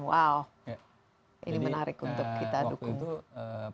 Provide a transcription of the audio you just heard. wow ini menarik untuk kita dukung